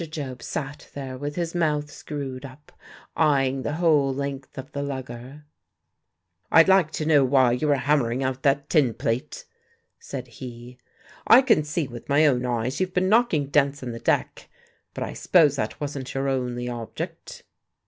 Job sat there with his mouth screwed up, eyeing the whole length of the lugger. "I'd like to know why you were hammering out that tinplate?" said he. "I can see with my own eyes you've been knocking dents in the deck; but I s'pose that wasn't your only object."